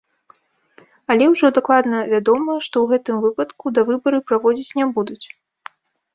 Але ўжо дакладна вядома, што ў гэтым выпадку давыбары праводзіць не будуць.